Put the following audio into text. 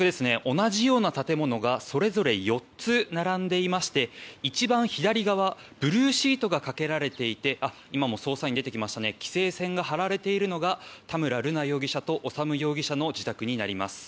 同じような建物がそれぞれ４つ並んでいまして一番左側ブルーシートがかけられていて規制線が張られているのが田村瑠奈容疑者と修容疑者の自宅になります。